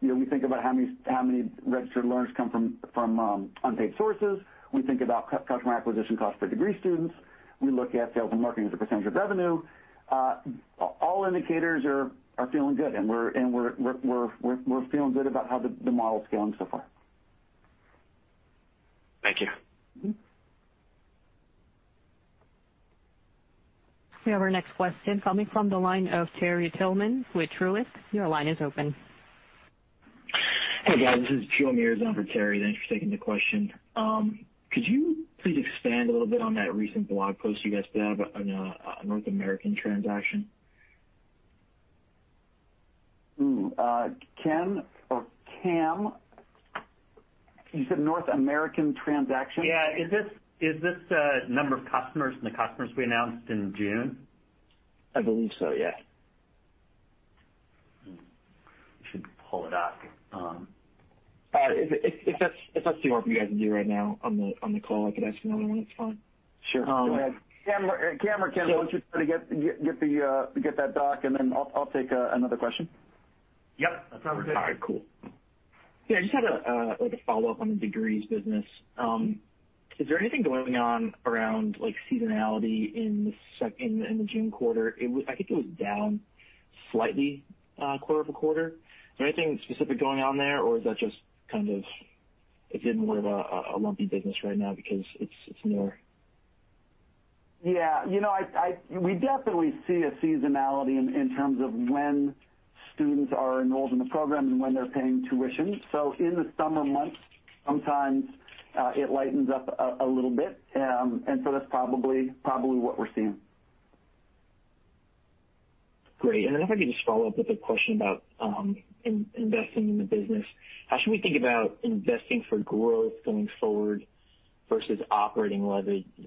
We think about how many registered learners come from unpaid sources. We think about customer acquisition cost per degree students. We look at sales and marketing as a percentage of revenue. All indicators are feeling good, and we're feeling good about how the model's scaling so far. Thank you. We have our next question coming from the line of Terry Tillman with Truist. Your line is open. Hey, guys. This is Joe Meares on for Terry. Thanks for taking the question. Could you please expand a little bit on that recent blog post you guys did on a North American transaction? Ooh. Ken or Cam, you said North American transaction? Yeah. Is this the number of customers and the customers we announced in June? I believe so, yeah. I should pull it up. All right. If that's too hard for you guys to do right now on the call, I could ask another one. It's fine. Sure. Go ahead. Cam or Ken, why don't you try to get that doc, and then I'll take another question. Yep. That sounds good. All right, cool. Yeah, I just had a follow-up on the Degrees business. Is there anything going on around seasonality in the June quarter? I think it was down slightly quarter-over-quarter. Is there anything specific going on there, or is that just kind of, it's in more of a lumpy business right now because it's newer? Yeah. We definitely see a seasonality in terms of when students are enrolled in the program and when they're paying tuition. In the summer months, sometimes it lightens up a little bit, and so that's probably what we're seeing. Great. If I could just follow up with a question about investing in the business. How should we think about investing for growth going forward versus operating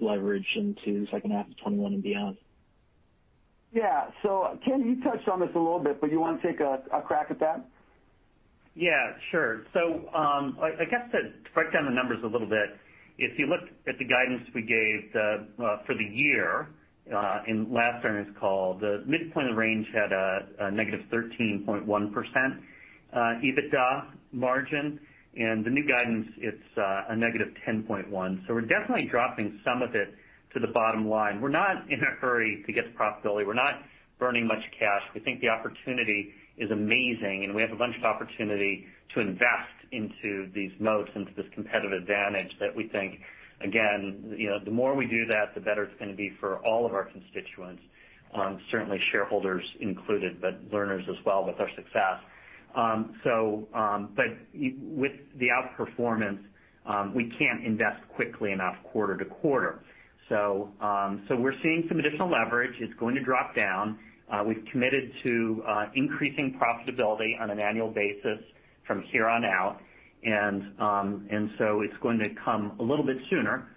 leverage into the second half of 2021 and beyond? Yeah. Ken, you touched on this a little bit, but you want to take a crack at that? Yeah, sure. I guess to break down the numbers a little bit, if you look at the guidance we gave for the year in last earnings call, the midpoint of the range had a -13.1% EBITDA margin, and the new guidance, it's a -10.1%. We're definitely dropping some of it to the bottom line. We're not in a hurry to get to profitability. We're not burning much cash. We think the opportunity is amazing, and we have a bunch of opportunity to invest into these moats, into this competitive advantage that we think, again, the more we do that, the better it's going to be for all of our constituents, certainly shareholders included, but learners as well, with our success. With the outperformance, we can't invest quickly enough quarter to quarter. We're seeing some additional leverage. It's going to drop down. We've committed to increasing profitability on an annual basis from here on out. It's going to come a little bit sooner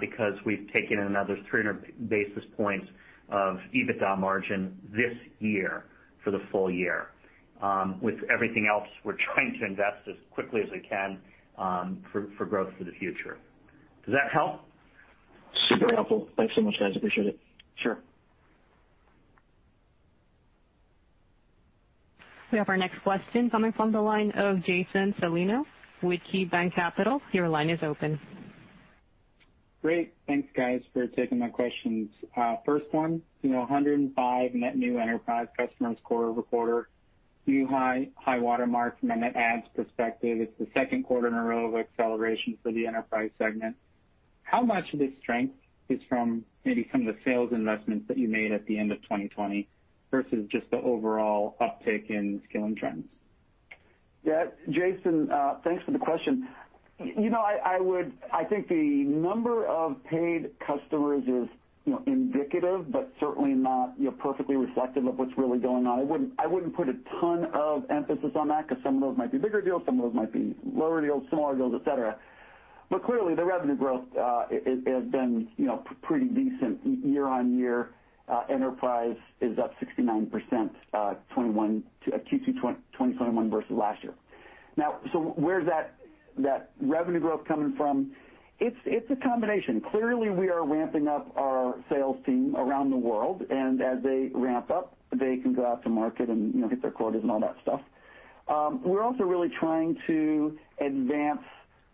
because we've taken another 300 basis points of EBITDA margin this year for the full year. With everything else, we're trying to invest as quickly as we can for growth for the future. Does that help? Super helpful. Thanks so much, guys. Appreciate it. Sure. We have our next question coming from the line of Jason Celino with KeyBanc Capital Markets. Great. Thanks, guys, for taking my questions. First one, 105 net new enterprise customers quarter-over-quarter, new high water mark from a net adds perspective. It's the second quarter in a row of acceleration for the Enterprise segment. How much of this strength is from maybe some of the sales investments that you made at the end of 2020 versus just the overall uptick in scaling trends? Yeah. Jason, thanks for the question. I think the number of paid customers is indicative but certainly not perfectly reflective of what's really going on. I wouldn't put a ton of emphasis on that because some of those might be bigger deals, some of those might be lower deals, smaller deals, et cetera. Clearly, the revenue growth has been pretty decent year-over-year. Enterprise is up 69% Q2 2021 versus last year. Where's that revenue growth coming from? It's a combination. Clearly, we are ramping up our sales team around the world, and as they ramp up, they can go out to market and hit their quotas and all that stuff. We're also really trying to advance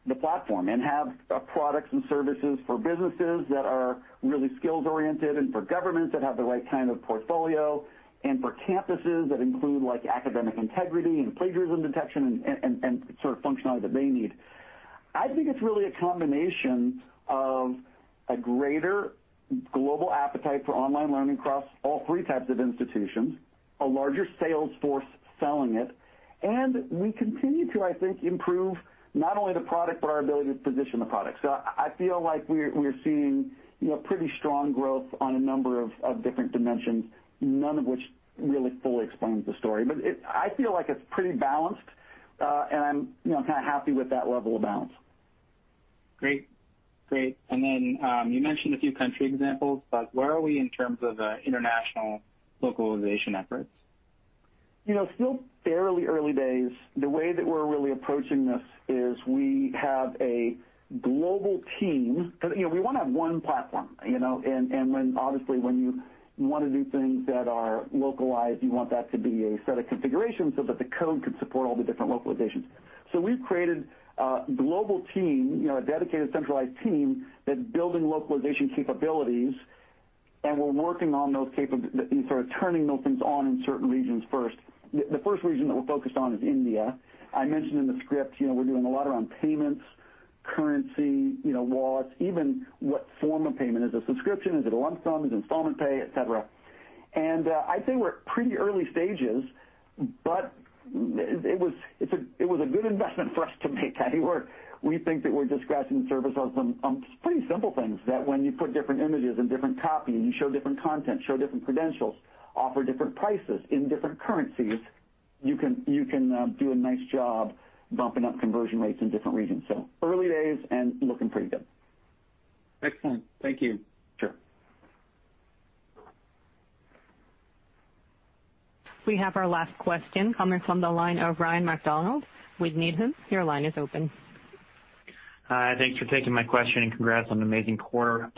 the platform and have products and services for businesses that are really skills-oriented and for governments that have the right kind of portfolio and for campuses that include academic integrity and plagiarism detection and functionality that they need. I think it's really a combination of a greater global appetite for online learning across all three types of institutions, a larger sales force selling it, and we continue to, I think, improve not only the product but our ability to position the product. So I feel like we're seeing pretty strong growth on a number of different dimensions, none of which really fully explains the story. I feel like it's pretty balanced, and I'm happy with that level of balance. Great. You mentioned a few country examples, but where are we in terms of international localization efforts? Still fairly early days. The way that we're really approaching this is we have a global team. We want to have one platform. Obviously, when you want to do things that are localized, you want that to be a set of configurations so that the code can support all the different localizations. We've created a global team, a dedicated centralized team that's building localization capabilities, and we're working on those capabilities and turning those things on in certain regions first. The first region that we're focused on is India. I mentioned in the script, we're doing a lot around payments, currency, laws, even what form of payment. Is it a subscription? Is it a lump sum? Is it installment pay, et cetera? I'd say we're at pretty early stages, but it was a good investment for us to make anywhere. We think that we're just scratching the surface on some pretty simple things, that when you put different images and different copy, and you show different content, show different credentials, offer different prices in different currencies, you can do a nice job bumping up conversion rates in different regions. Early days and looking pretty good. Excellent. Thank you. Sure. We have our last question coming from the line of Ryan MacDonald with Needham. Your line is open. Hi, thanks for taking my question, and congrats on an amazing quarter.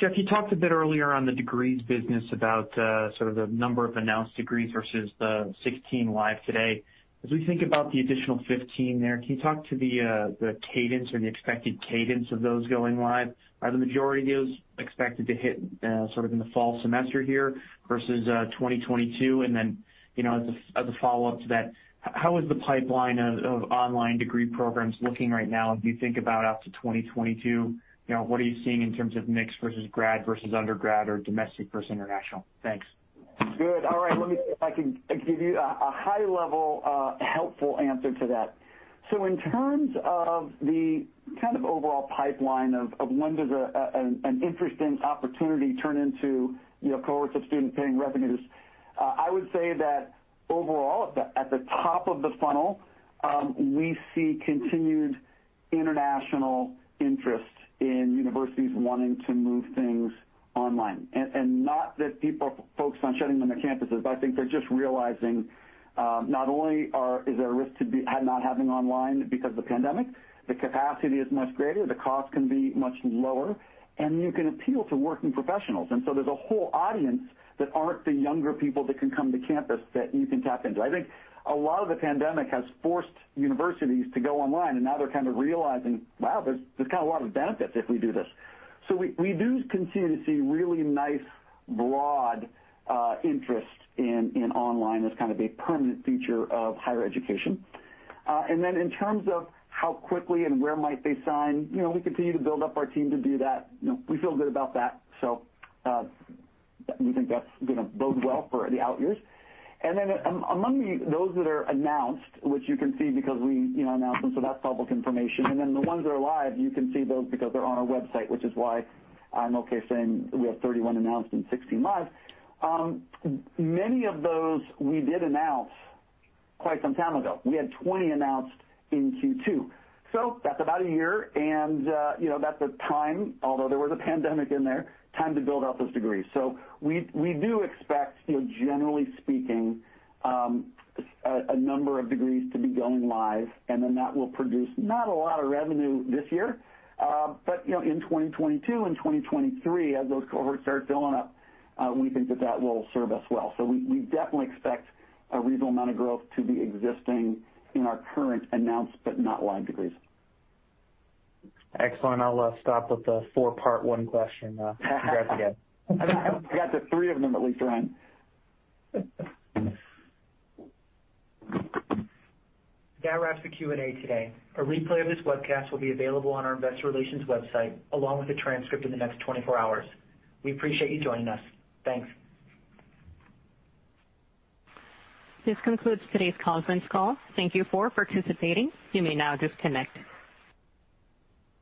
Jeff, you talked a bit earlier on the Degrees business about the number of announced degrees versus the 16 live today. As we think about the additional 15 there, can you talk to the cadence or the expected cadence of those going live? Are the majority of those expected to hit in the fall semester here versus 2022? As a follow-up to that, how is the pipeline of online degree programs looking right now as we think about out to 2022? What are you seeing in terms of mix versus grad versus undergrad or domestic versus international? Thanks. Good. All right. Let me see if I can give you a high-level, helpful answer to that. In terms of the overall pipeline of when does an interesting opportunity turn into cohorts of student-paying revenues, I would say that overall, at the top of the funnel, we see continued international interest in universities wanting to move things online. Not that people are focused on shutting down their campuses, but I think they're just realizing, not only is there a risk to not having online because of the pandemic, the capacity is much greater, the cost can be much lower, and you can appeal to working professionals. There's a whole audience that aren't the younger people that can come to campus that you can tap into. I think a lot of the pandemic has forced universities to go online, and now they're realizing, "Wow, there's a lot of benefits if we do this." We do continue to see really nice, broad interest in online as a permanent feature of higher education. In terms of how quickly and where might they sign, we continue to build up our team to do that. We feel good about that. We think that's going to bode well for the out years. Among those that are announced, which you can see because we announce them, so that's public information. The ones that are live, you can see those because they're on our website, which is why I'm okay saying we have 31 announced and 16 live. Many of those we did announce quite some time ago. We had 20 announced in Q2. That's about a year, and that's a time, although there was a pandemic in there, time to build out those degrees. We do expect, generally speaking, a number of degrees to be going live, and then that will produce not a lot of revenue this year. In 2022 and 2023, as those cohorts start filling up, we think that that will serve us well. We definitely expect a reasonable amount of growth to be existing in our current announced, but not live degrees. Excellent. I'll stop with the four-part one question. Congrats again. I got the three of them at least right. That wraps the Q&A today. A replay of this webcast will be available on our investor relations website along with a transcript in the next 24 hours. We appreciate you joining us. Thanks. This concludes today's conference call. Thank you for participating. You may now disconnect.